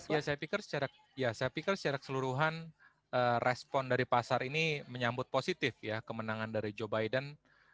ya saya pikir secara keseluruhan respon dari pasar ini menyambut positif ya kemenangan dari joe biden